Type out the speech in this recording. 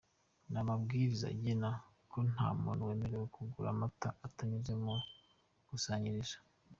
Ni amabwiriza agena ko nta muntu wemerewe kugura amata atanyuze mu makusanyirizo.